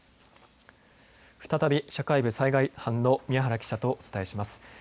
再び社会部災害班の宮原記者とお伝えします。